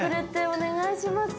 お願いします。